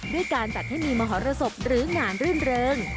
ด้วยการจัดให้มีมหรสบหรืองานรื่นเริง